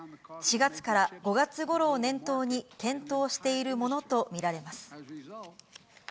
４月から５月ごろを念頭に検討しているものと見られます。